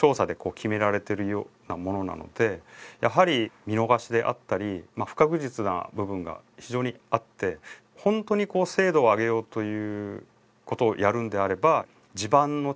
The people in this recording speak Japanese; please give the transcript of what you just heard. やはり見逃しであったり不確実な部分が非常にあって本当に精度を上げようということをやるのであれば。